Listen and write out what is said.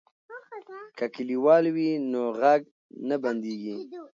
که کلیوال وي نو غږ نه بندیږي.